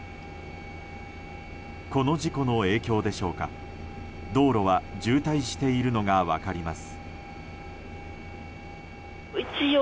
この事故の影響でしょうか道路は渋滞しているのが分かります。